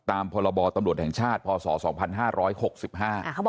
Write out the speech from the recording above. ว่ามีตำรวจรถไฟดีกว่าค่ะ